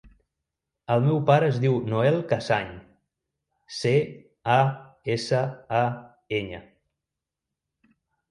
El meu pare es diu Noel Casañ: ce, a, essa, a, enya.